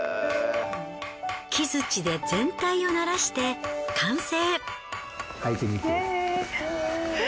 木槌で全体をならして完成。